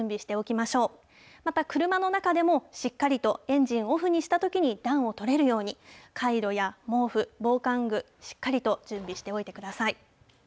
また、車の中でもしっかりとエンジンをオフにしたときに暖をとれるように、カイロや毛布、防寒具、しっかりと準備しておいてください。